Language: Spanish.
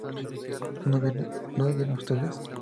¿no bebieron ustedes?